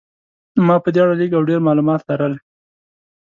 ما په دې اړه لږ او ډېر معلومات لرل.